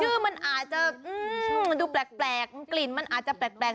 ชื่อมันอาจจะดูแปลกกลิ่นมันอาจจะแปลก